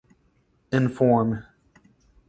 Inform.